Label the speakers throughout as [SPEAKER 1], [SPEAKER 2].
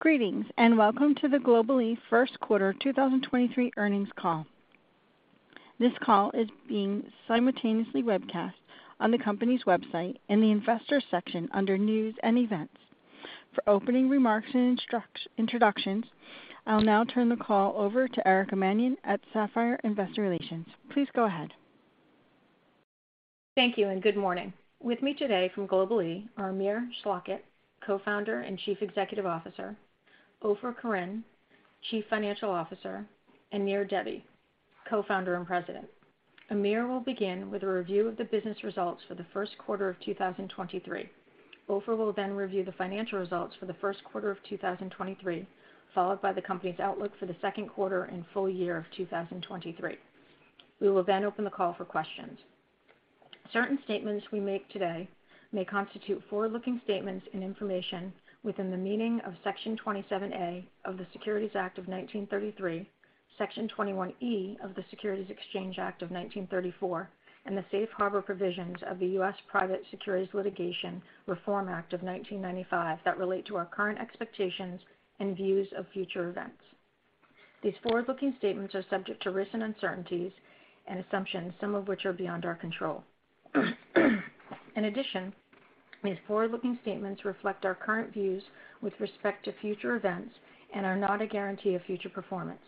[SPEAKER 1] Greetings, welcome to the Global-E First Quarter 2023 Earnings Call. This call is being simultaneously webcast on the company's website in the investors section under News and Events. For opening remarks and introductions, I'll now turn the call over to Erica Mannion at Sapphire Investor Relations. Please go ahead.
[SPEAKER 2] Thank you. Good morning. With me today from Global-E are Amir Schlachet, Co-Founder and Chief Executive Officer, Ofer Koren, Chief Financial Officer, and Nir Debbi, Co-Founder and President. Amir will begin with a review of the business results for the first quarter of 2023. Ofer will review the financial results for the first quarter of 2023, followed by the company's outlook for the second quarter and full year of 2023. We will open the call for questions. Certain statements we make today may constitute forward-looking statements and information within the meaning of Section 27A of the Securities Act of 1933, Section 21E of the Securities Exchange Act of 1934, and the safe harbor provisions of the U.S. Private Securities Litigation Reform Act of 1995 that relate to our current expectations and views of future events. These forward-looking statements are subject to risks and uncertainties and assumptions, some of which are beyond our control. In addition, these forward-looking statements reflect our current views with respect to future events and are not a guarantee of future performance.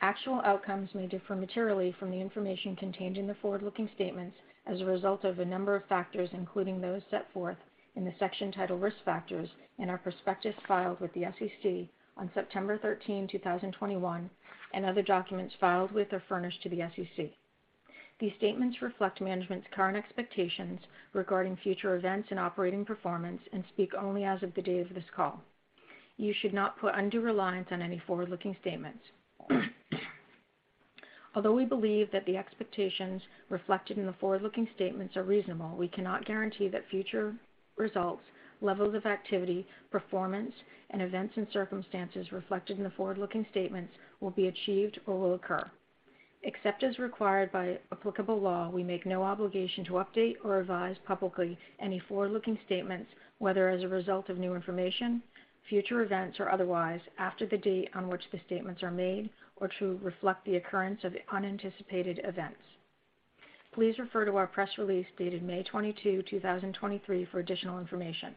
[SPEAKER 2] Actual outcomes may differ materially from the information contained in the forward-looking statements as a result of a number of factors, including those set forth in the section titled Risk Factors in our prospectus filed with the SEC on September 13, 2021, and other documents filed with or furnished to the SEC. These statements reflect management's current expectations regarding future events and operating performance and speak only as of the date of this call. You should not put undue reliance on any forward-looking statements. Although we believe that the expectations reflected in the forward-looking statements are reasonable, we cannot guarantee that future results, levels of activity, performance, and events and circumstances reflected in the forward-looking statements will be achieved or will occur. Except as required by applicable law, we make no obligation to update or revise publicly any forward-looking statements, whether as a result of new information, future events or otherwise, after the date on which the statements are made or to reflect the occurrence of unanticipated events. Please refer to our press release dated May 22, 2023 for additional information.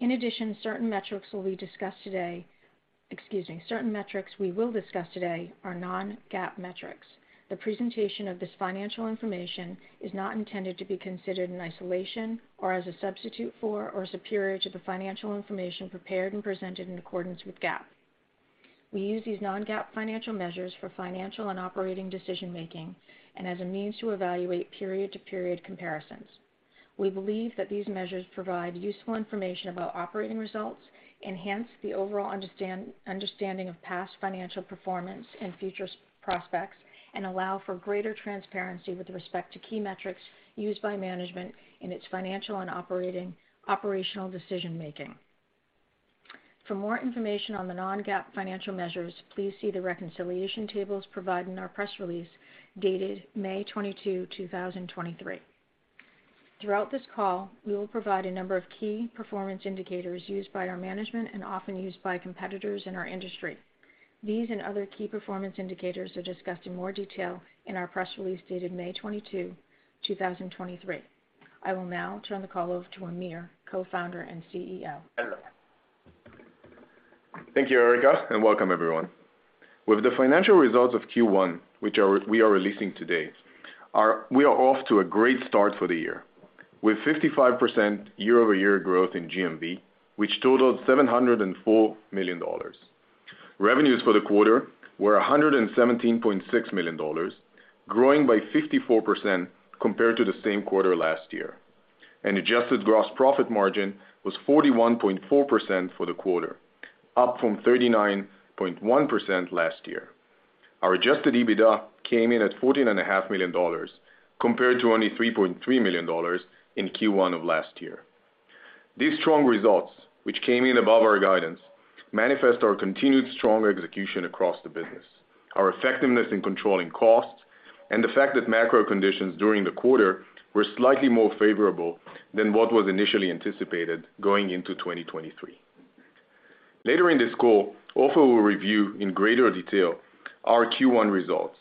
[SPEAKER 2] In addition, certain metrics we will discuss today are non-GAAP metrics. The presentation of this financial information is not intended to be considered in isolation or as a substitute for or superior to the financial information prepared and presented in accordance with GAAP. We use these non-GAAP financial measures for financial and operating decision-making and as a means to evaluate period-to-period comparisons. We believe that these measures provide useful information about operating results, enhance the overall understanding of past financial performance and future prospects, and allow for greater transparency with respect to key metrics used by management in its financial and operational decision-making. For more information on the non-GAAP financial measures, please see the reconciliation tables provided in our press release dated May 22, 2023. Throughout this call, we will provide a number of key performance indicators used by our management and often used by competitors in our industry. These and other key performance indicators are discussed in more detail in our press release dated May 22, 2023. I will now turn the call over to Amir, Co-Founder and CEO.
[SPEAKER 3] Hello. Thank you, Erica, and welcome everyone. With the financial results of Q1, which we are releasing today, we are off to a great start for the year. With 55% year-over-year growth in GMV, which totaled $704 million. Revenues for the quarter were $117.6 million, growing by 54% compared to the same quarter last year. Adjusted gross profit margin was 41.4% for the quarter, up from 39.1% last year. Our Adjusted EBITDA came in at $14.5 million, compared to only $3.3 million in Q1 of last year. These strong results, which came in above our guidance, manifest our continued strong execution across the business, our effectiveness in controlling costs, and the fact that macro conditions during the quarter were slightly more favorable than what was initially anticipated going into 2023. Later in this call, Ofer will review in greater detail our Q1 results,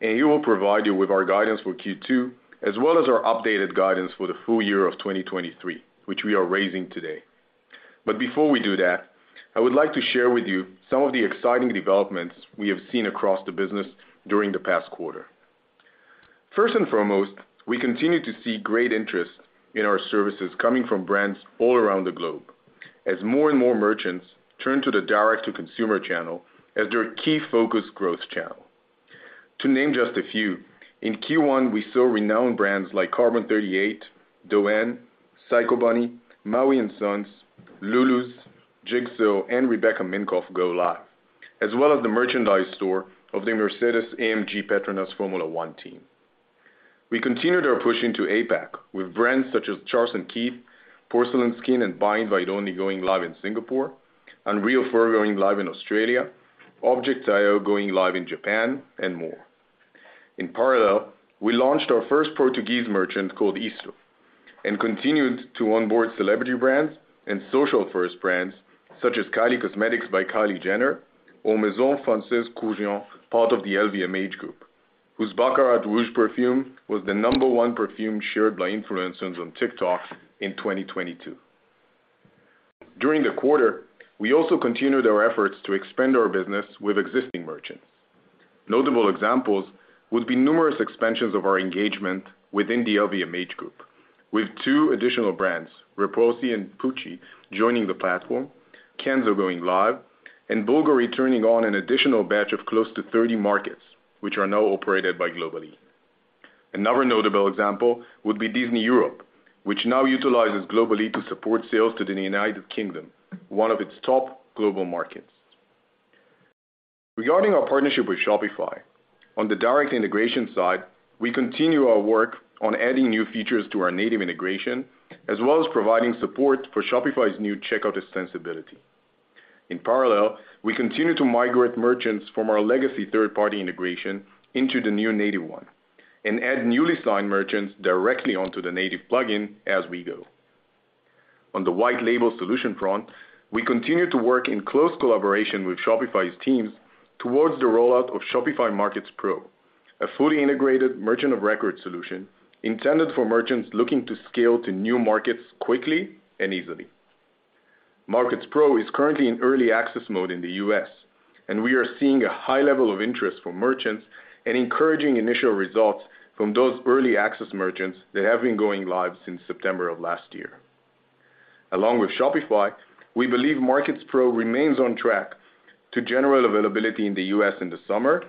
[SPEAKER 3] and he will provide you with our guidance for Q2 as well as our updated guidance for the full year of 2023, which we are raising today. Before we do that, I would like to share with you some of the exciting developments we have seen across the business during the past quarter. First and foremost, we continue to see great interest in our services coming from brands all around the globe as more and more merchants turn to the direct-to-consumer channel as their key focus growth channel. To name just a few, in Q1, we saw renowned brands like Carbon38, DÔEN, Psycho Bunny, Maui and Sons, Lulus, Jigsaw, and Rebecca Minkoff go live, as well as the merchandise store of the Mercedes-AMG PETRONAS Formula One team. We continued our push into APAC with brands such as Charles & Keith, Porcelain Skin, and By Invite Only going live in Singapore, and Unreal Fur going live in Australia, objcts.io going live in Japan, and more. In parallel, we launched our first Portuguese merchant called ISTO., and continued to onboard celebrity brands and social-first brands such as Kylie Cosmetics by Kylie Jenner or Maison Francis Kurkdjian, part of the LVMH group, whose Baccarat Rouge perfume was the number one perfume shared by influencers on TikTok in 2022. During the quarter, we also continued our efforts to expand our business with existing merchants. Notable examples would be numerous expansions of our engagement within the LVMH group, with two additional brands, Repossi and Pucci, joining the platform, Kenzo going live, and Bulgari turning on an additional batch of close to 30 markets, which are now operated by Global-E. Another notable example would be Disney Europe, which now utilizes Global-E to support sales to the United Kingdom, one of its top global markets. Regarding our partnership with Shopify, on the direct integration side, we continue our work on adding new features to our native integration, as well as providing support for Shopify's new checkout extensibility. In parallel, we continue to migrate merchants from our legacy third-party integration into the new native one and add newly signed merchants directly onto the native plug-in as we go. On the white label solution front, we continue to work in close collaboration with Shopify's teams towards the rollout of Shopify Markets Pro, a fully integrated merchant of record solution intended for merchants looking to scale to new markets quickly and easily. Markets Pro is currently in early access mode in the U.S. We are seeing a high level of interest from merchants and encouraging initial results from those early access merchants that have been going live since September of last year. Along with Shopify, we believe Markets Pro remains on track to general availability in the U.S. in the summer,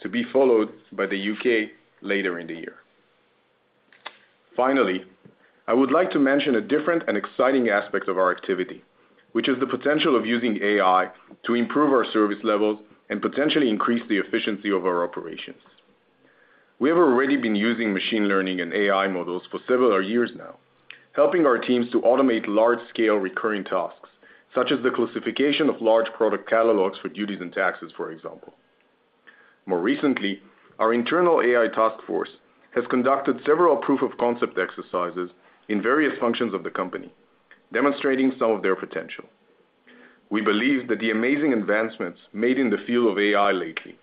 [SPEAKER 3] to be followed by the U.K. later in the year. Finally, I would like to mention a different and exciting aspect of our activity, which is the potential of using AI to improve our service levels and potentially increase the efficiency of our operations. We have already been using machine learning and AI models for several years now, helping our teams to automate large-scale recurring tasks, such as the classification of large product catalogs for duties and taxes, for example. More recently, our internal AI task force has conducted several proof of concept exercises in various functions of the company, demonstrating some of their potential. We believe that the amazing advancements made in the field of AI lately,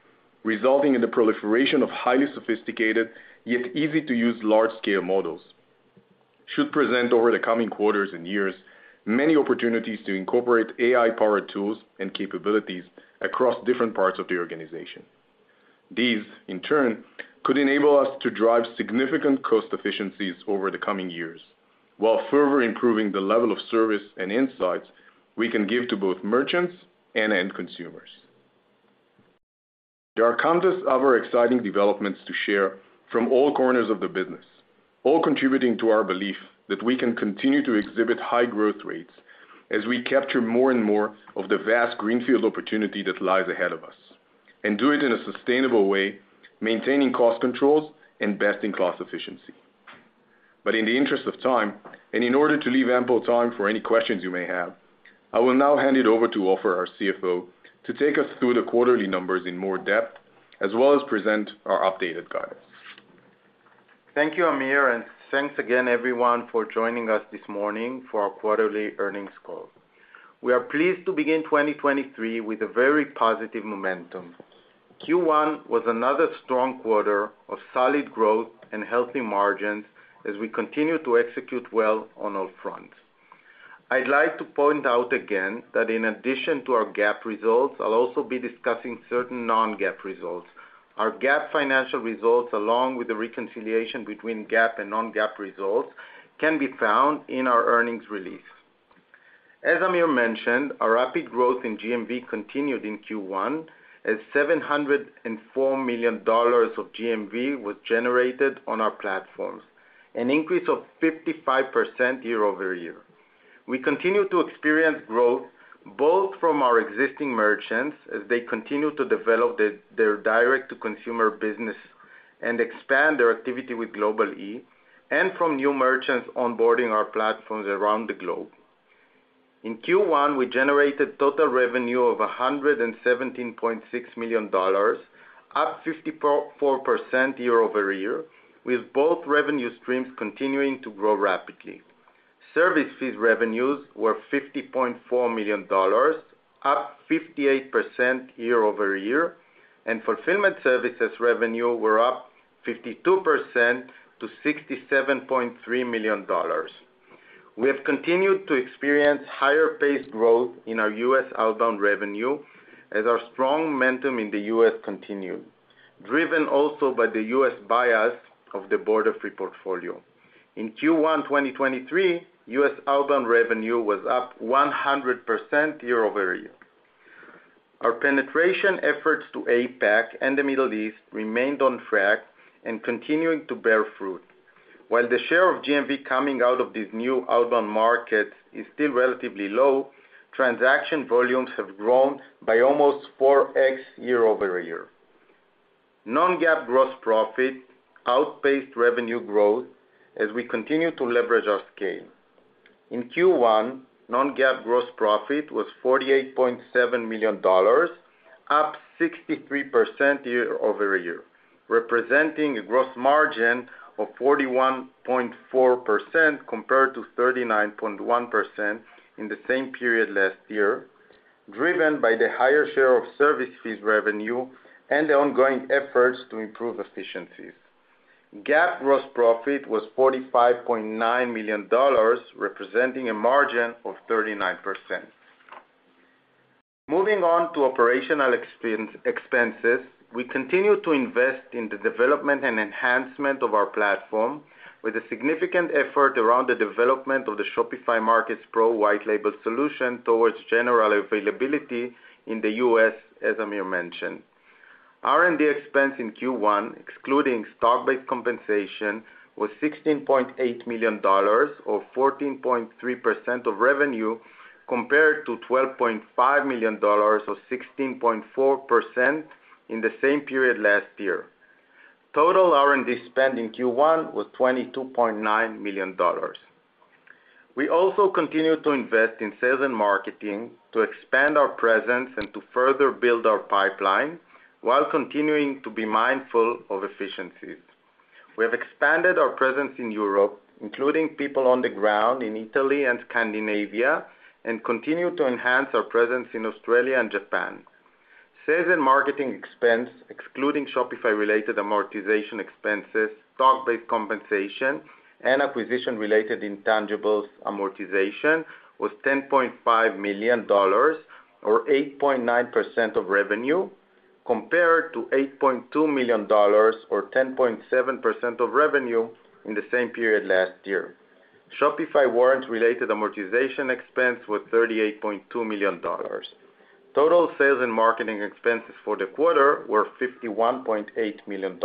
[SPEAKER 3] resulting in the proliferation of highly sophisticated yet easy-to-use large-scale models, should present over the coming quarters and years many opportunities to incorporate AI-powered tools and capabilities across different parts of the organization. These, in turn, could enable us to drive significant cost efficiencies over the coming years while further improving the level of service and insights we can give to both merchants and end consumers. There are countless other exciting developments to share from all corners of the business, all contributing to our belief that we can continue to exhibit high growth rates as we capture more and more of the vast greenfield opportunity that lies ahead of us and do it in a sustainable way, maintaining cost controls and best-in-class efficiency. In the interest of time, and in order to leave ample time for any questions you may have, I will now hand it over to Ofer, our CFO, to take us through the quarterly numbers in more depth, as well as present our updated guidance.
[SPEAKER 4] Thank you, Amir, and thanks again everyone for joining us this morning for our quarterly earnings call. We are pleased to begin 2023 with a very positive momentum. Q1 was another strong quarter of solid growth and healthy margins as we continue to execute well on all fronts. I'd like to point out again that in addition to our GAAP results, I'll also be discussing certain non-GAAP results. Our GAAP financial results, along with the reconciliation between GAAP and non-GAAP results, can be found in our earnings release. As Amir mentioned, our rapid growth in GMV continued in Q1, as $704 million of GMV was generated on our platforms, an increase of 55% year-over-year. We continue to experience growth both from our existing merchants as they continue to develop their direct-to-consumer business and expand their activity with Global-E, and from new merchants onboarding our platforms around the globe. In Q1, we generated total revenue of $117.6 million, up 54% year-over-year, with both revenue streams continuing to grow rapidly. Service fees revenues were $50.4 million, up 58% year-over-year. Fulfillment services revenue were up 52% to $67.3 million. We have continued to experience higher paced growth in our U.S. outbound revenue as our strong momentum in the U.S. continued, driven also by the U.S. bias of the Borderfree portfolio. In Q1 2023, U.S. outbound revenue was up 100% year-over-year. Our penetration efforts to APAC and the Middle East remained on track and continuing to bear fruit. While the share of GMV coming out of these new outbound markets is still relatively low, transaction volumes have grown by almost 4x year-over-year. Non-GAAP gross profit outpaced revenue growth as we continue to leverage our scale. In Q1, Non-GAAP gross profit was $48.7 million, up 63% year-over-year, representing a gross margin of 41.4% compared to 39.1% in the same period last year, driven by the higher share of service fees revenue and the ongoing efforts to improve efficiencies. GAAP gross profit was $45.9 million, representing a margin of 39%. Moving on to operational expenses, we continue to invest in the development and enhancement of our platform with a significant effort around the development of the Shopify Markets Pro white label solution towards general availability in the U.S., as Amir mentioned. R&D expense in Q1, excluding stock-based compensation, was $16.8 million, or 14.3% of revenue, compared to $12.5 million, or 16.4% in the same period last year. Total R&D spend in Q1 was $22.9 million. We also continue to invest in sales and marketing to expand our presence and to further build our pipeline while continuing to be mindful of efficiencies. We have expanded our presence in Europe, including people on the ground in Italy and Scandinavia, and continue to enhance our presence in Australia and Japan. Sales and marketing expense, excluding Shopify-related amortization expenses, stock-based compensation, and acquisition-related intangibles amortization, was $10.5 million, or 8.9% of revenue, compared to $8.2 million or 10.7% of revenue in the same period last year. Shopify warrants related amortization expense was $38.2 million. Total sales and marketing expenses for the quarter were $51.8 million.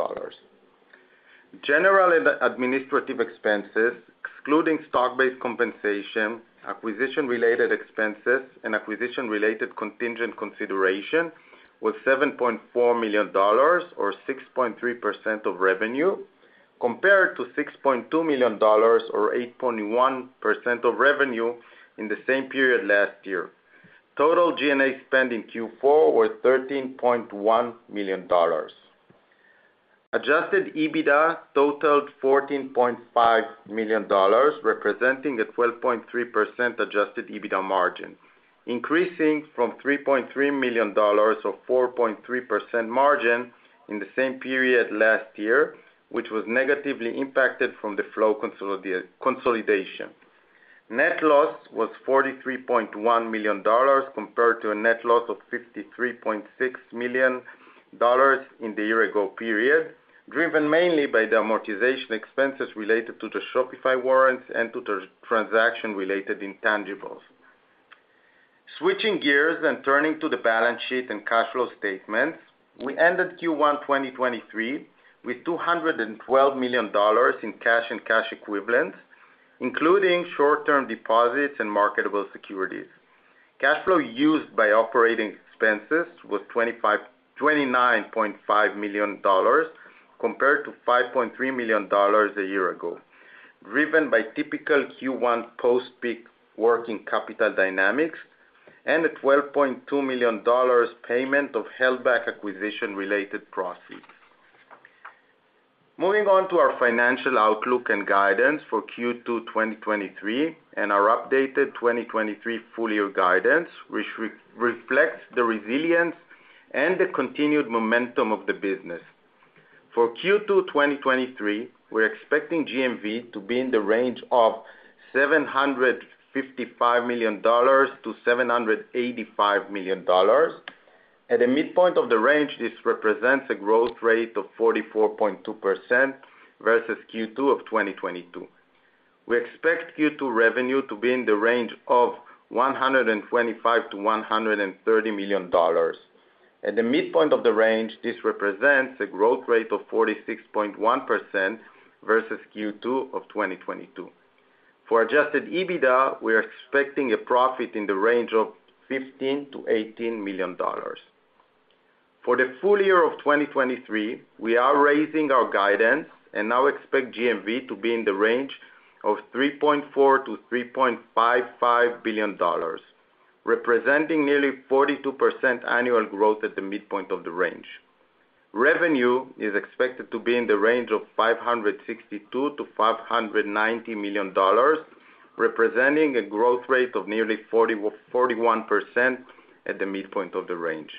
[SPEAKER 4] General and administrative expenses, excluding stock-based compensation, acquisition-related expenses, and acquisition-related contingent consideration, was $7.4 million or 6.3% of revenue, compared to $6.2 million or 8.1% of revenue in the same period last year. Total G&A spend in Q4 was $13.1 million. Adjusted EBITDA totaled $14.5 million, representing a 12.3% Adjusted EBITDA margin, increasing from $3.3 million or 4.3% margin in the same period last year, which was negatively impacted from the Flow consolidation. Net loss was $43.1 million compared to a net loss of $53.6 million in the year ago period, driven mainly by the amortization expenses related to the Shopify warrants and to transaction related intangibles. Switching gears and turning to the balance sheet and cash flow statements, we ended Q1 2023 with $212 million in cash and cash equivalents, including short-term deposits and marketable securities. Cash flow used by operating expenses was $29.5 million compared to $5.3 million a year ago, driven by typical Q1 post-peak working capital dynamics and a $12.2 million payment of held back acquisition-related proceeds. Moving on to our financial outlook and guidance for Q2 2023 and our updated 2023 full year guidance, which re-reflects the resilience and the continued momentum of the business. For Q2 2023, we're expecting GMV to be in the range of $755 million-$785 million. At the midpoint of the range, this represents a growth rate of 44.2% versus Q2 of 2022. We expect Q2 revenue to be in the range of $125 million-$130 million. At the midpoint of the range, this represents a growth rate of 46.1% versus Q2 of 2022. For Adjusted EBITDA, we are expecting a profit in the range of $15 million-$18 million. For the full year of 2023, we are raising our guidance and now expect GMV to be in the range of $3.4 billion-$3.55 billion, representing nearly 42% annual growth at the midpoint of the range. Revenue is expected to be in the range of $562 million-$590 million, representing a growth rate of nearly 41% at the midpoint of the range.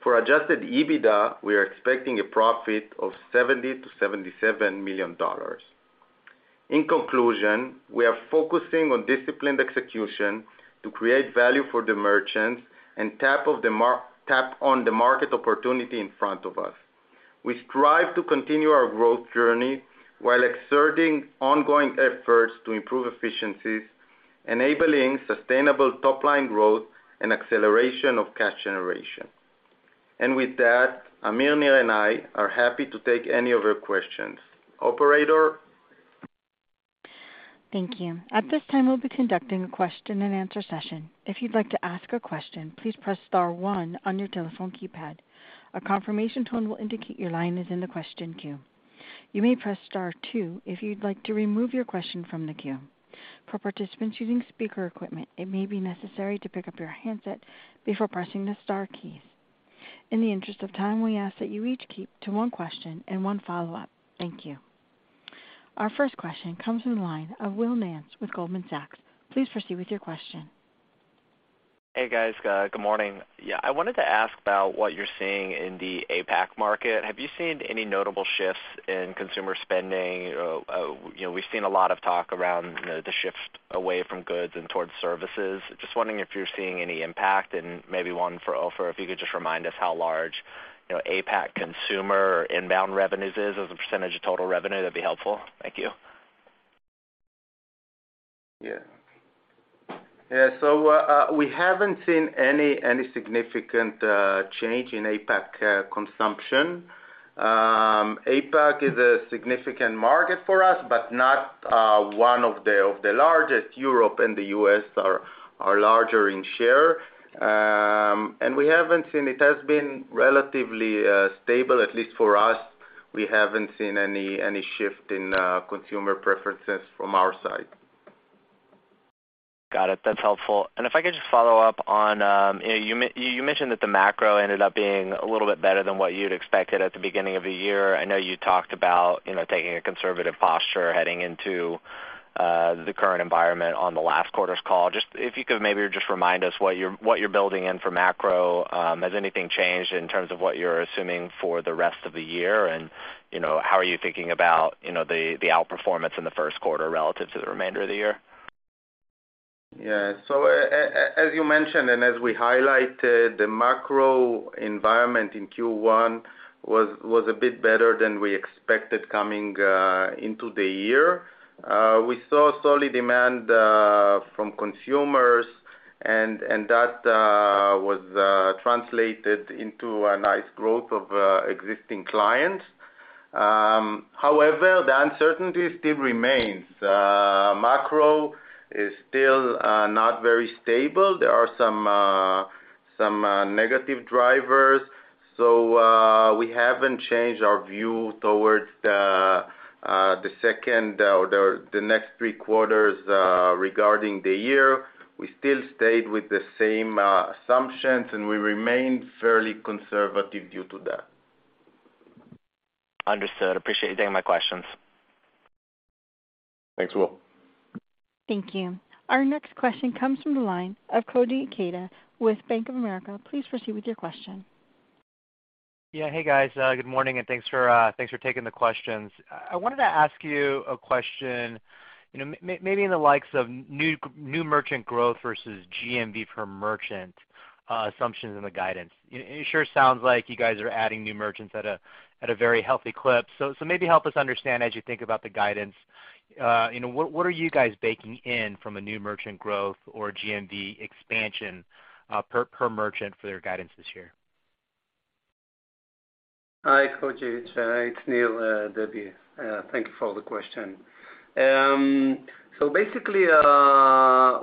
[SPEAKER 4] For Adjusted EBITDA, we are expecting a profit of $70 million-$77 million. In conclusion, we are focusing on disciplined execution to create value for the merchants and tap on the market opportunity in front of us. We strive to continue our growth journey while exerting ongoing efforts to improve efficiencies, enabling sustainable top-line growth and acceleration of cash generation. With that, Amir, Nir, and I are happy to take any of your questions. Operator?
[SPEAKER 1] Thank you. At this time, we'll be conducting a question-and-answer session. If you'd like to ask a question, please press star one on your telephone keypad. A confirmation tone will indicate your line is in the question queue. You may press star two if you'd like to remove your question from the queue. For participants using speaker equipment, it may be necessary to pick up your handset before pressing the star keys. In the interest of time, we ask that you each keep to one question and one follow-up. Thank you. Our first question comes from the line of Will Nance with Goldman Sachs. Please proceed with your question.
[SPEAKER 5] Hey, guys. Good morning. Yeah, I wanted to ask about what you're seeing in the APAC market. Have you seen any notable shifts in consumer spending? Or, you know, we've seen a lot of talk around, you know, the shift away from goods and towards services. Just wondering if you're seeing any impact. Maybe one for Ofer, if you could just remind us how large, you know, APAC consumer inbound revenues is as a % of total revenue, that'd be helpful. Thank you.
[SPEAKER 4] Yeah. Yeah, we haven't seen any significant change in APAC consumption. APAC is a significant market for us, but not one of the largest. Europe and the U.S. are larger in share. It has been relatively stable, at least for us. We haven't seen any shift in consumer preferences from our side.
[SPEAKER 5] Got it. That's helpful. If I could just follow up on, you know, you mentioned that the macro ended up being a little bit better than what you'd expected at the beginning of the year. I know you talked about, you know, taking a conservative posture heading into the current environment on the last quarter's call. Just if you could maybe just remind us what you're building in for macro. Has anything changed in terms of what you're assuming for the rest of the year? How are you thinking about, you know, the outperformance in the first quarter relative to the remainder of the year?
[SPEAKER 4] Yeah. As you mentioned, and as we highlighted, the macro environment in Q1 was a bit better than we expected coming into the year. We saw solid demand from consumers and that was translated into a nice growth of existing clients. However, the uncertainty still remains. Macro is still not very stable. There are some negative drivers. We haven't changed our view towards the second or the next three quarters regarding the year. We still stayed with the same assumptions, and we remained fairly conservative due to that.
[SPEAKER 5] Understood. Appreciate you taking my questions.
[SPEAKER 4] Thanks, Will.
[SPEAKER 1] Thank you. Our next question comes from the line of Koji Ikeda with Bank of America. Please proceed with your question.
[SPEAKER 6] Yeah. Hey, guys, good morning, thanks for thanks for taking the questions. I wanted to ask you a question, you know, maybe in the likes of new merchant growth versus GMV per merchant, assumptions in the guidance. It sure sounds like you guys are adding new merchants at a very healthy clip. Maybe help us understand as you think about the guidance, you know, what are you guys baking in from a new merchant growth or GMV expansion per merchant for their guidance this year?
[SPEAKER 7] Hi, Koji. It's Nir Debbi. Thank you for the question. Basically, we are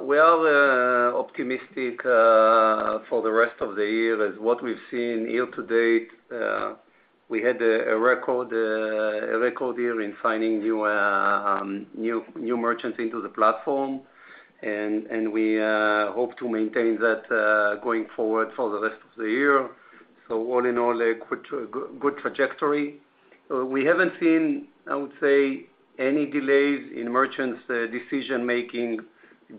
[SPEAKER 7] optimistic for the rest of the year as what we've seen year-to-date. We had a record year in signing new merchants into the platform. We hope to maintain that going forward for the rest of the year. All in all, a good trajectory. We haven't seen, I would say, any delays in merchants decision-making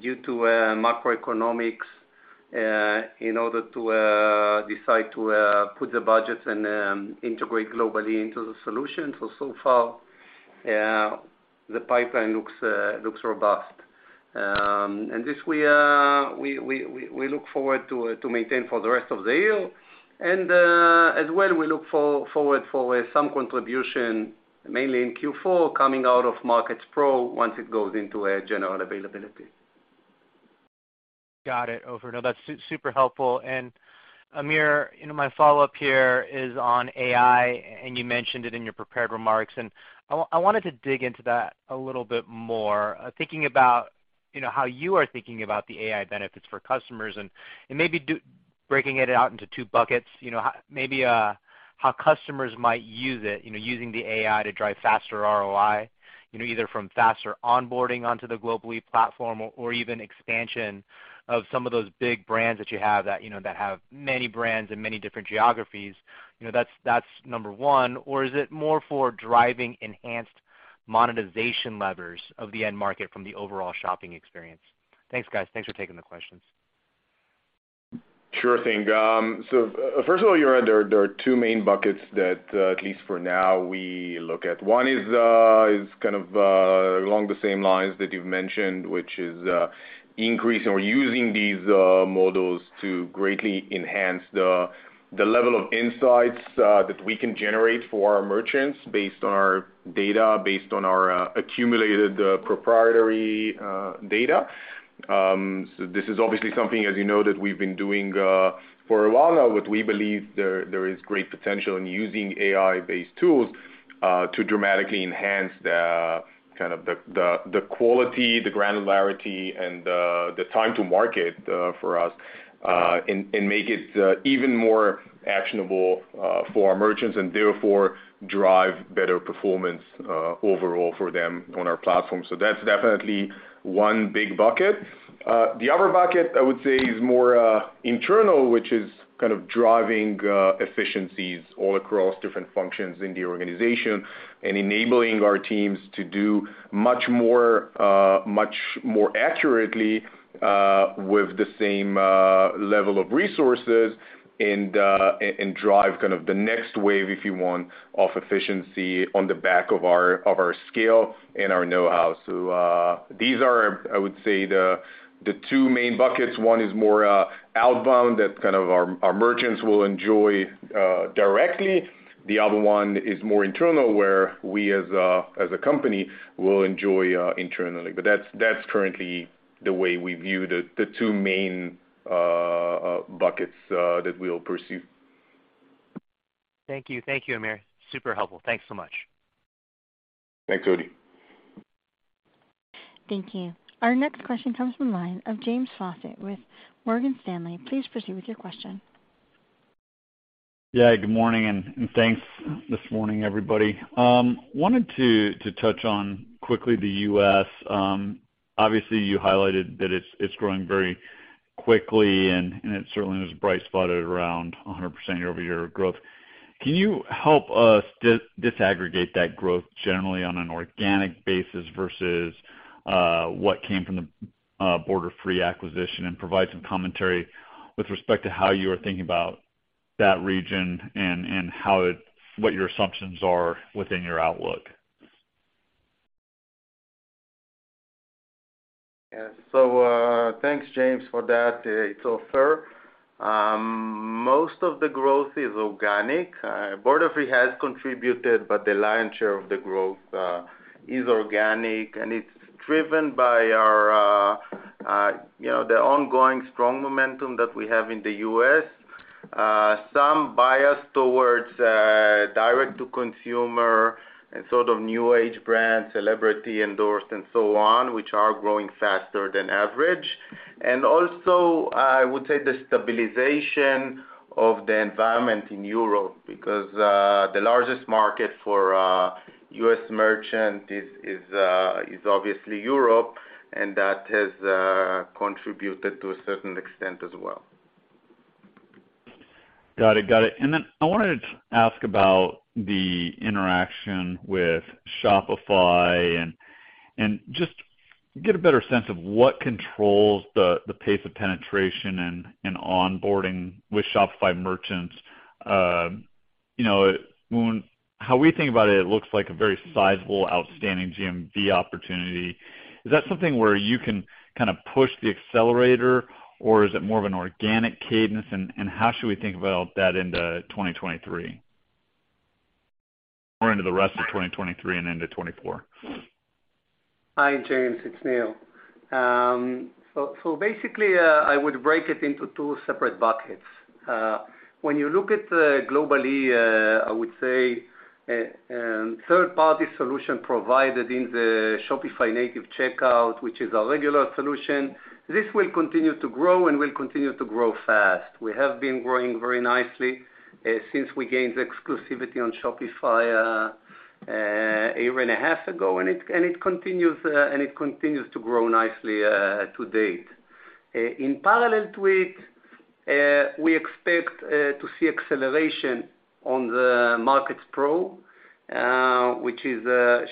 [SPEAKER 7] due to macroeconomics in order to decide to put the budgets and integrate Global-E into the solution. So far, the pipeline looks robust. This we look forward to maintain for the rest of the year. As well, we look forward for some contribution mainly in Q4 coming out of Markets Pro once it goes into a general availability.
[SPEAKER 6] Got it. Nir, that's super helpful. Amir, you know, my follow-up here is on AI, and you mentioned it in your prepared remarks. I wanted to dig into that a little bit more, thinking about, you know, how you are thinking about the AI benefits for customers and maybe breaking it out into two buckets. You know, maybe how customers might use it, you know, using the AI to drive faster ROI, you know, either from faster onboarding onto the GlobalWeb platform or even expansion of some of those big brands that you have that, you know, that have many brands in many different geographies. You know, that's number one. Or is it more for driving enhanced monetization levers of the end market from the overall shopping experience? Thanks, guys. Thanks for taking the questions.
[SPEAKER 3] Sure thing. First of all, you're right, there are two main buckets that, at least for now, we look at. One is kind of, along the same lines that you've mentioned, which is, increasing or using these models to greatly enhance the level of insights, that we can generate for our merchants based on our data, based on our, accumulated, proprietary, data. This is obviously something, as you know, that we've been doing, for a while now, but we believe there is great potential in using AI-based tools, to dramatically enhance the kind of the quality, the granularity, and the time to market, for us, and make it, even more actionable, for our merchants, and therefore drive better performance, overall for them on our platform. That's definitely one big bucket. The other bucket, I would say is more internal, which is kind of driving efficiencies all across different functions in the organization and enabling our teams to do much more, much more accurately, with the same level of resources and drive kind of the next wave, if you want, of efficiency on the back of our, of our scale and our know-how. These are, I would say, the two main buckets. One is more outbound that kind of our merchants will enjoy directly. The other one is more internal, where we as a company will enjoy internally. That's, that's currently the way we view the two main buckets that we'll pursue.
[SPEAKER 6] Thank you. Thank you, Amir. Super helpful. Thanks so much.
[SPEAKER 3] Thanks, Koji.
[SPEAKER 1] Thank you. Our next question comes from the line of James Faucette with Morgan Stanley. Please proceed with your question.
[SPEAKER 8] Good morning, and thanks this morning, everybody. Wanted to touch on quickly the U.S. Obviously you highlighted that it's growing very quickly and it certainly was bright spotted around 100% year-over-year growth. Can you help us disaggregate that growth generally on an organic basis versus what came from the Borderfree acquisition and provide some commentary with respect to how you are thinking about that region and what your assumptions are within your outlook?
[SPEAKER 4] Thanks, James, for that. It's Ofer. Most of the growth is organic. Borderfree has contributed, but the lion's share of the growth is organic, and it's driven by our, you know, the ongoing strong momentum that we have in the U.S. Some bias towards direct-to-consumer and sort of new age brands, celebrity endorsed and so on, which are growing faster than average. Also, I would say the stabilization of the environment in Europe because the largest market for U.S. merchant is obviously Europe, and that has contributed to a certain extent as well.
[SPEAKER 8] Got it. Got it. I wanted to ask about the interaction with Shopify and just get a better sense of what controls the pace of penetration and onboarding with Shopify merchants. You know, how we think about it looks like a very sizable outstanding GMV opportunity. Is that something where you can kind of push the accelerator, or is it more of an organic cadence? How should we think about that into 2023? More into the rest of 2023 and into 2024.
[SPEAKER 7] Hi, James, it's Nir. Basically, I would break it into two separate buckets. When you look at the Global-E, I would say third-party solution provided in the Shopify native checkout, which is our regular solution, this will continue to grow and will continue to grow fast. We have been growing very nicely since we gained exclusivity on Shopify a year and a half ago, and it continues to grow nicely to date. In parallel with, we expect to see acceleration on the Markets Pro, which is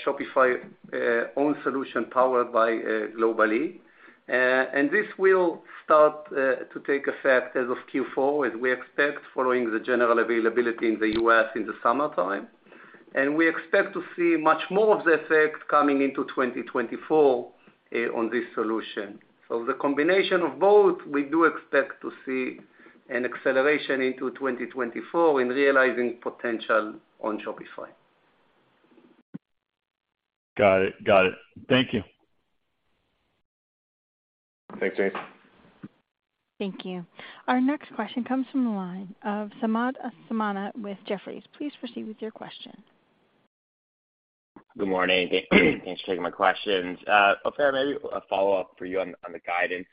[SPEAKER 7] Shopify own solution powered by Global-E. This will start to take effect as of Q4, as we expect, following the general availability in the U.S. in the summertime. We expect to see much more of the effect coming into 2024 on this solution. The combination of both, we do expect to see an acceleration into 2024 in realizing potential on Shopify.
[SPEAKER 8] Got it. Got it. Thank you.
[SPEAKER 3] Thanks, James.
[SPEAKER 1] Thank you. Our next question comes from the line of Samad Samana with Jefferies. Please proceed with your question.
[SPEAKER 9] Good morning. Thanks for taking my questions. Ofer, maybe a follow-up for you on the guidance.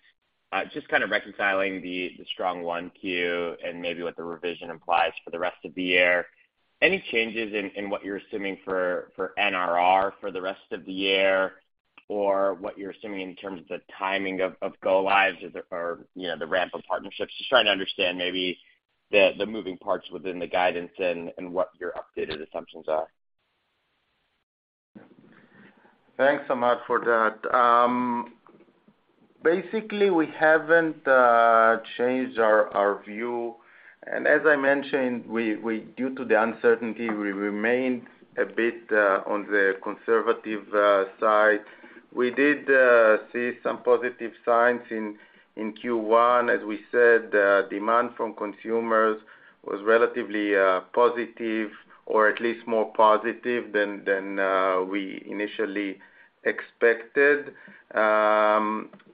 [SPEAKER 9] Just kind of reconciling the strong 1Q and maybe what the revision implies for the rest of the year. Any changes in what you're assuming for NRR for the rest of the year or what you're assuming in terms of the timing of go lives or the, you know, the ramp of partnerships? Just trying to understand maybe the moving parts within the guidance and what your updated assumptions are.
[SPEAKER 4] Thanks, Samad, for that. basically we haven't changed our view. As I mentioned, due to the uncertainty, we remained a bit on the conservative side. We did see some positive signs in Q1. As we said, demand from consumers was relatively positive or at least more positive than we initially expected.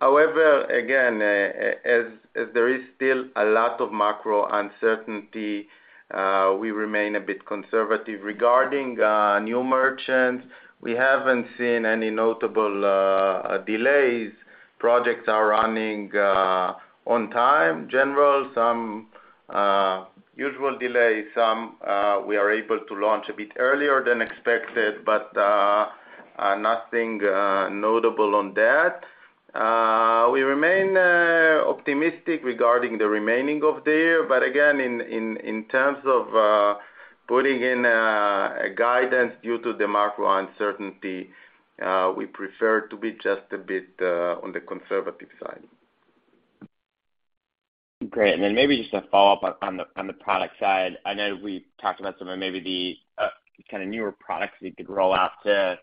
[SPEAKER 4] Again, as there is still a lot of macro uncertainty, we remain a bit conservative. Regarding new merchants, we haven't seen any notable delays. Projects are running on time. General, some usual delays. Some, we are able to launch a bit earlier than expected, but nothing notable on that. We remain optimistic regarding the remaining of the year, but again, in terms of putting in a guidance due to the macro uncertainty, we prefer to be just a bit on the conservative side.
[SPEAKER 9] Great. Maybe just a follow-up on the product side. I know we talked about some of maybe the kinda newer products need to roll out to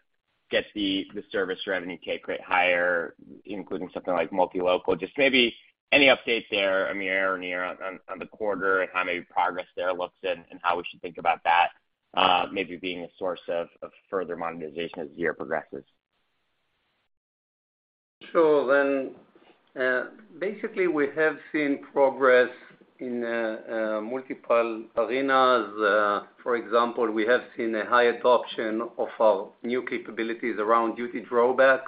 [SPEAKER 9] get the service revenue take rate higher, including something like multi-local. Just maybe any updates there, Amir or Nir, on the quarter and how maybe progress there looks and how we should think about that maybe being a source of further monetization as the year progresses?
[SPEAKER 7] Sure. Basically we have seen progress in multiple arenas. For example, we have seen a high adoption of our new capabilities around duty drawback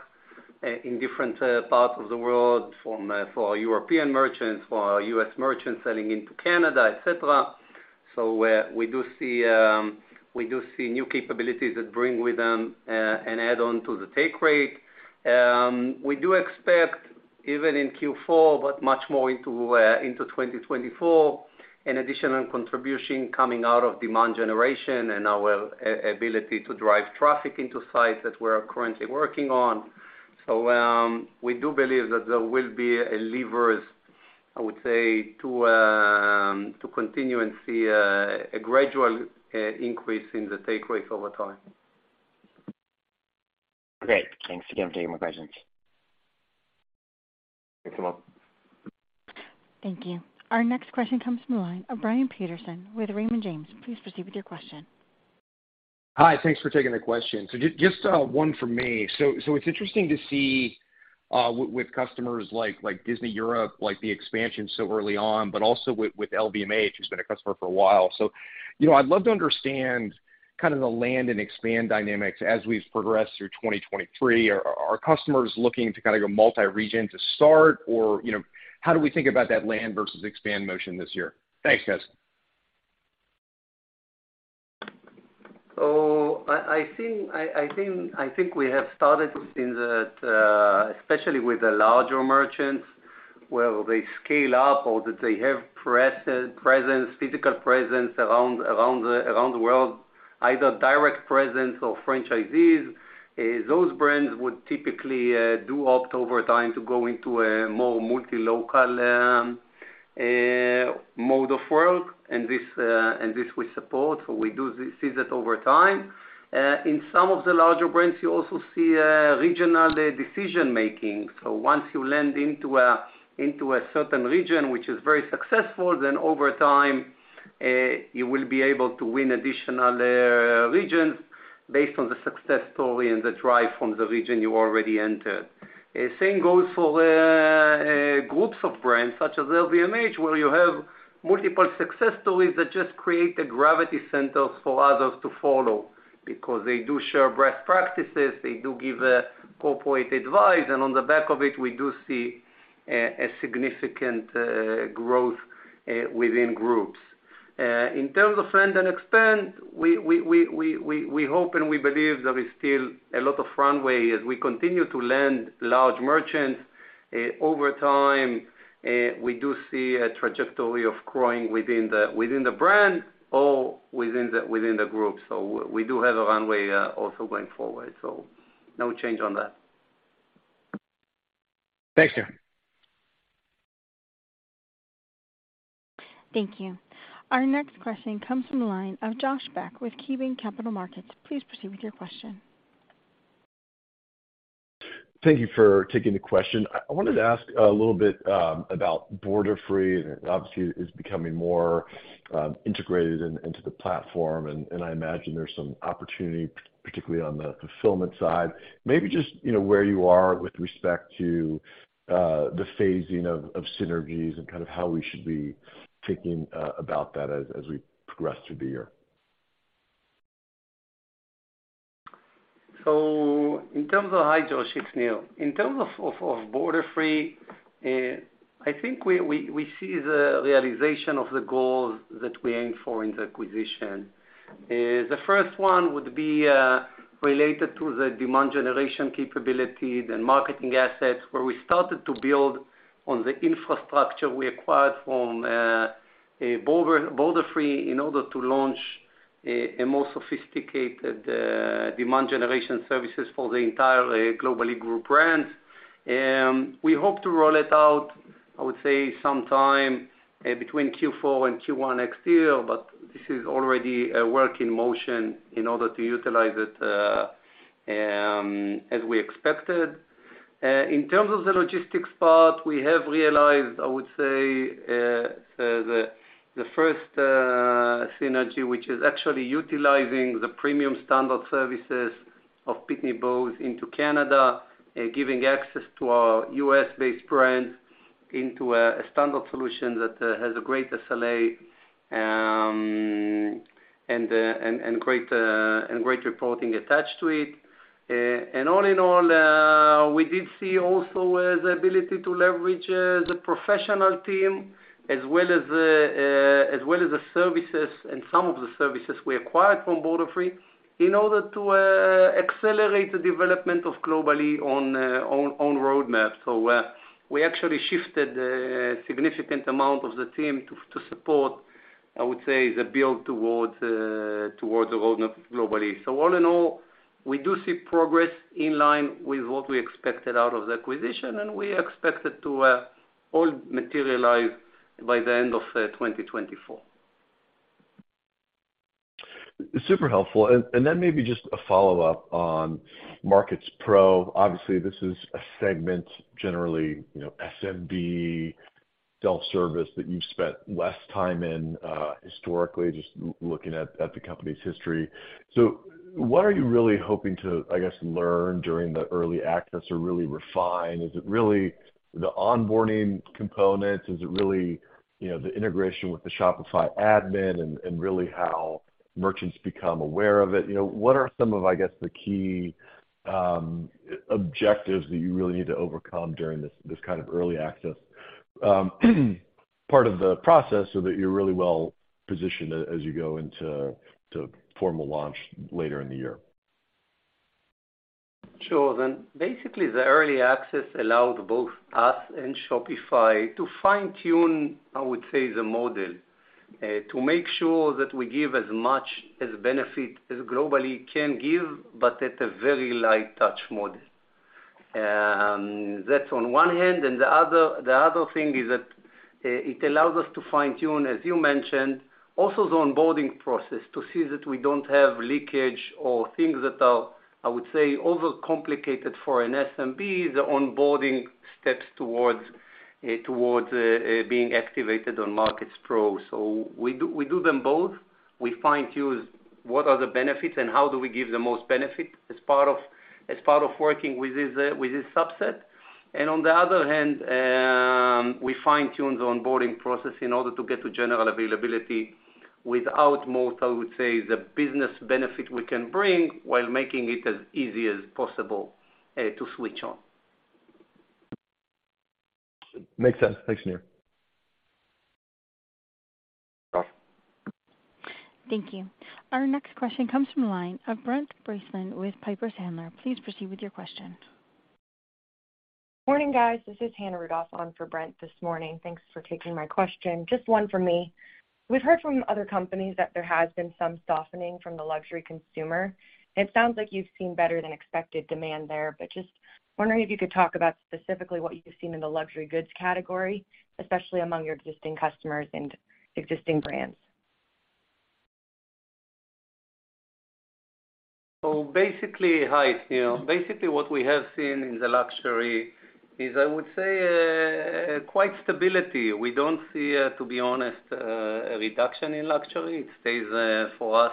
[SPEAKER 7] in different parts of the world from for European merchants, for U.S. merchants selling into Canada, et cetera. We do see new capabilities that bring with them an add-on to the take rate. We do expect even in Q4, but much more into 2024, an additional contribution coming out of demand generation and our ability to drive traffic into sites that we're currently working on. We do believe that there will be a levers, I would say, to continue and see a gradual increase in the take rate over time.
[SPEAKER 9] Great. Thanks again for taking my questions.
[SPEAKER 3] Thanks a lot.
[SPEAKER 1] Thank you. Our next question comes from the line of Brian Peterson with Raymond James. Please proceed with your question.
[SPEAKER 10] Hi. Thanks for taking the question. Just one from me. It's interesting to see with customers like Disney Europe, like the expansion so early on, but also with LVMH, who's been a customer for a while. You know, I'd love to understand kind of the land and expand dynamics as we've progressed through 2023. Are customers looking to kind of go multi-region to start? You know, how do we think about that land versus expand motion this year? Thanks, guys.
[SPEAKER 7] I think we have started in the, especially with the larger merchants where they scale up or that they have presence, physical presence around the world, either direct presence or franchisees. Those brands would typically do opt over time to go into a more multi-local mode of work, and this we support. We do see that over time. In some of the larger brands, you also see a regional decision-making. Once you land into a certain region which is very successful, then over time, you will be able to win additional regions based on the success story and the drive from the region you already entered. Same goes for groups of brands such as LVMH, where you have multiple success stories that just create a gravity center for others to follow because they do share best practices, they do give corporate advice. On the back of it, we do see a significant growth within groups. In terms of land and expand, we hope and we believe there is still a lot of runway as we continue to land large merchants. Over time, we do see a trajectory of growing within the brand or within the group. We do have a runway also going forward. No change on that.
[SPEAKER 10] Thanks, guys.
[SPEAKER 1] Thank you. Our next question comes from the line of Josh Beck with KeyBanc Capital Markets. Please proceed with your question.
[SPEAKER 11] Thank you for taking the question. I wanted to ask a little bit about Borderfree. Obviously, it's becoming more integrated into the platform and I imagine there's some opportunity particularly on the fulfillment side. Maybe just, you know, where you are with respect to the phasing of synergies and kind of how we should be thinking about that as we progress through the year.
[SPEAKER 7] In terms of... Hi, Josh. It's Nir. In terms of Borderfree, I think we see the realization of the goals that we aim for in the acquisition. The first one would be related to the demand generation capability, the marketing assets where we started to build on the infrastructure we acquired from Borderfree in order to launch a more sophisticated demand generation services for the entire Global-E group brand. We hope to roll it out, I would say sometime between Q4 and Q1 next year, but this is already a work in motion in order to utilize it as we expected. In terms of the logistics part, we have realized, I would say, the first Synergy, which is actually utilizing the premium standard services of Pitney Bowes into Canada, giving access to our U.S.-based brands into a standard solution that has a great SLA, and great reporting attached to it. All in all, we did see also the ability to leverage the professional team as well as the services and some of the services we acquired from Borderfree in order to accelerate the development of globally on roadmap. We actually shifted a significant amount of the team to support, I would say, the build towards a roadmap globally. All in all, we do see progress in line with what we expected out of the acquisition, and we expect it to all materialize by the end of 2024.
[SPEAKER 11] Super helpful. Then maybe just a follow-up on Markets Pro. Obviously, this is a segment generally, you know, SMB self-service that you've spent less time in historically, just looking at the company's history. What are you really hoping to, I guess, learn during the early access or really refine? Is it really the onboarding components? Is it really, you know, the integration with the Shopify admin and really how merchants become aware of it? What are some of, I guess, the key objectives that you really need to overcome during this kind of early access part of the process so that you're really well positioned as you go into formal launch later in the year?
[SPEAKER 7] Sure. Basically, the early access allowed both us and Shopify to fine-tune, I would say, the model, to make sure that we give as much as benefit as Global-E can give, but at a very light touch model. That's on one hand. The other thing is that it allows us to fine-tune, as you mentioned, also the onboarding process to see that we don't have leakage or things that are, I would say, overcomplicated for an SMB, the onboarding steps towards being activated on Markets Pro. We do them both. We fine-tune what are the benefits and how do we give the most benefit as part of working with this, with this subset. On the other hand, we fine-tune the onboarding process in order to get to general availability without most, I would say, the business benefit we can bring while making it as easy as possible to switch on.
[SPEAKER 11] Makes sense. Thanks, Nir.
[SPEAKER 1] Thank you. Our next question comes from the line of Brent Bracelin with Piper Sandler. Please proceed with your question.
[SPEAKER 12] Morning, guys. This is Hannah Rudoff on for Brent this morning. Thanks for taking my question. Just one from me. We've heard from other companies that there has been some softening from the luxury consumer. It sounds like you've seen better than expected demand there. Just wondering if you could talk about specifically what you've seen in the luxury goods category, especially among your existing customers and existing brands.
[SPEAKER 7] Basically, hi. You know, basically what we have seen in the luxury is, I would say, quite stability. We don't see, to be honest, a reduction in luxury. It stays for us.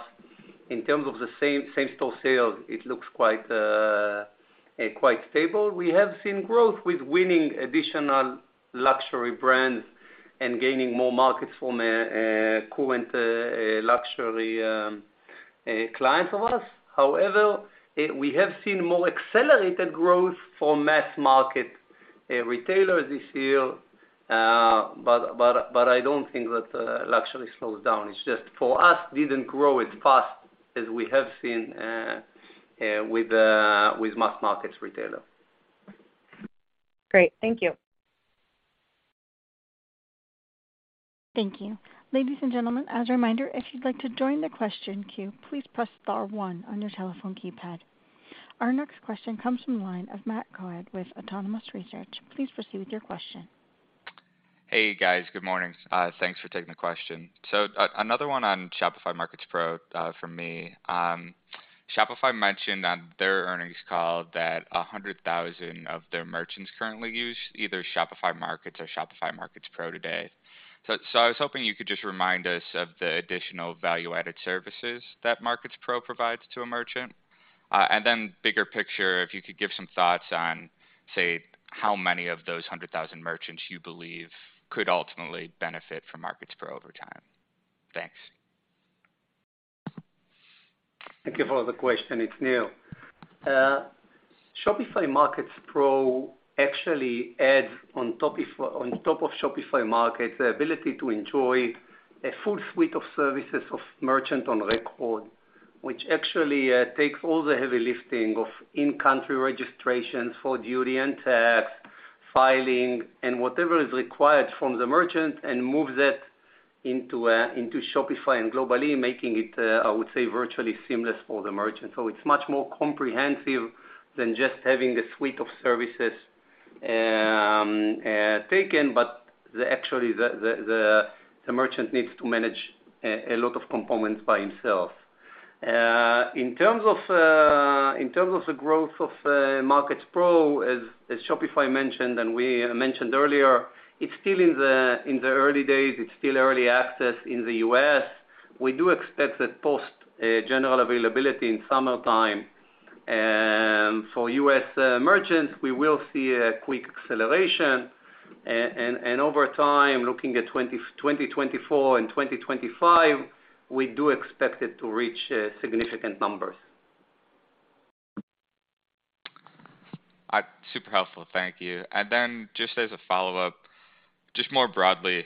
[SPEAKER 7] In terms of the same-store sales, it looks quite stable. We have seen growth with winning additional luxury brands and gaining more markets from a current luxury client of ours. However, we have seen more accelerated growth for mass market retailers this year. I don't think that luxury slows down. It's just for us, didn't grow as fast as we have seen with mass markets retailer.
[SPEAKER 12] Great. Thank you.
[SPEAKER 1] Thank you. Ladies and gentlemen, as a reminder, if you'd like to join the question queue, please press star one on your telephone keypad. Our next question comes from the line of Matt Coad with Autonomous Research. Please proceed with your question.
[SPEAKER 13] Hey, guys. Good morning. Thanks for taking the question. Another one on Shopify Markets Pro from me. Shopify mentioned on their earnings call that 100,000 of their merchants currently use either Shopify Markets or Shopify Markets Pro today. I was hoping you could just remind us of the additional value-added services that Markets Pro provides to a merchant. Bigger picture, if you could give some thoughts on, say, how many of those 100,000 merchants you believe could ultimately benefit from Markets Pro over time. Thanks.
[SPEAKER 7] Thank you for the question. It's Nir. Shopify Markets Pro actually adds on top if, on top of Shopify Markets, the ability to enjoy a full suite of services of merchant of record, which actually takes all the heavy lifting of in-country registrations for duty and tax filing and whatever is required from the merchant and moves it into Shopify and Global-E, making it, I would say, virtually seamless for the merchant. So it's much more comprehensive than just having a suite of services taken, but actually the merchant needs to manage a lot of components by himself. In terms of the growth of Markets Pro, as Shopify mentioned and we mentioned earlier, it's still in the early days, it's still early access in the U.S. We do expect that post, general availability in summertime. For U.S. merchants, we will see a quick acceleration. Over time, looking at 2024 and 2025, we do expect it to reach significant numbers.
[SPEAKER 13] Super helpful. Thank you. Just as a follow-up, just more broadly,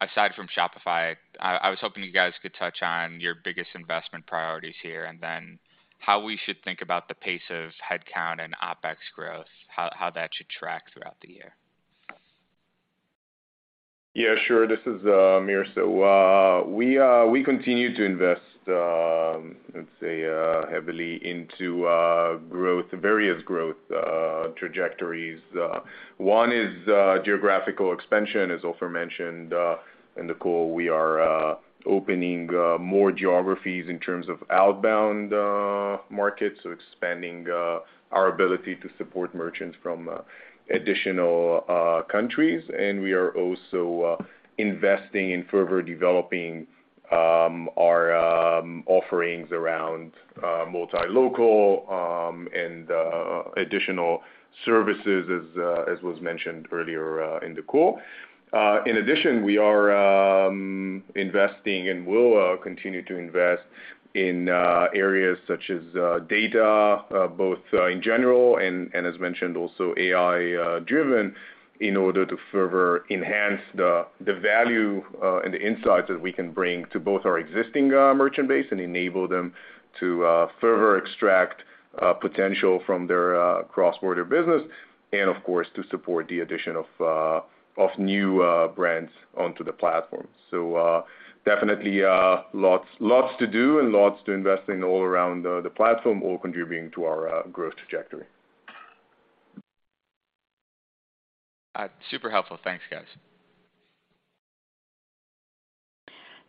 [SPEAKER 13] aside from Shopify, I was hoping you guys could touch on your biggest investment priorities here, and then how we should think about the pace of headcount and OpEx growth, how that should track throughout the year.
[SPEAKER 3] Yeah, sure. This is Amir. we continue to invest, let's say, heavily into growth, various growth trajectories. One is geographical expansion, as Ofer mentioned in the call. We are opening more geographies in terms of outbound markets, so expanding our ability to support merchants from additional countries. we are also investing in further developing our offerings around multi-local and additional services as was mentioned earlier in the call. In addition, we are investing and will continue to invest in areas such as data, both in general and as mentioned also AI driven in order to further enhance the value and the insights that we can bring to both our existing merchant base and enable them to further extract potential from their cross-border business and of course to support the addition of new brands onto the platform. Definitely lots to do and lots to invest in all around the platform all contributing to our growth trajectory.
[SPEAKER 13] Super helpful. Thanks, guys.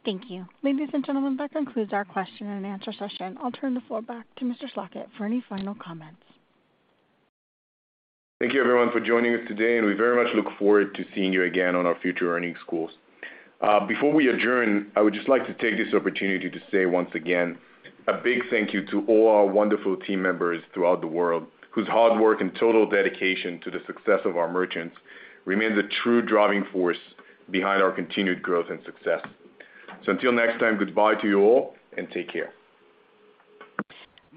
[SPEAKER 1] Thank you. Ladies, and gentlemen, that concludes our question-and-answer session. I'll turn the floor back to Mr. Schlachet for any final comments.
[SPEAKER 3] Thank you everyone for joining us today, and we very much look forward to seeing you again on our future earnings calls. Before we adjourn, I would just like to take this opportunity to say once again a big thank you to all our wonderful team members throughout the world, whose hard work and total dedication to the success of our merchants remains a true driving force behind our continued growth and success. Until next time, goodbye to you all and take care.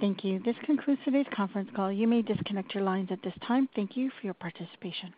[SPEAKER 1] Thank you. This concludes today's conference call. You may disconnect your lines at this time. Thank you for your participation.